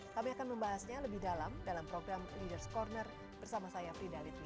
kami akan membahasnya lebih dalam dalam program leaders' corner bersama saya fridalit wina